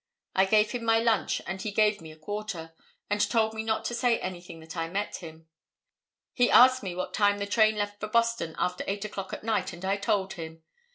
I gave him my lunch, and he gave me a quarter, and told me not to say anything that I met him. He asked me what time the train left for Boston after 8 o'clock at night and I told him.